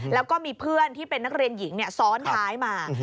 แล้วก็มีเพื่อนที่เป็นนักเรียนหญิงซ้อนท้ายมา